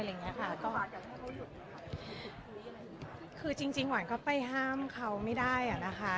อะไรอย่างเงี้ยค่ะก็คือจริงจริงหวานก็ไปห้ามเขาไม่ได้อ่ะนะคะ